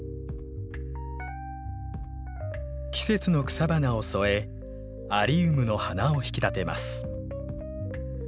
季節の草花を添えアリウムの花を引き立てます。